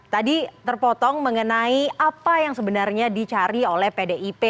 tadi terpotong mengenai apa yang sebenarnya dicari oleh pdip